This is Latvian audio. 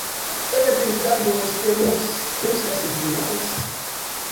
-Tagad viņš darbojas pie mums. Jums kas ir zināms?